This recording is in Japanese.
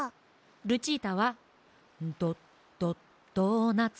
ルチータは「ドドドーナツ」。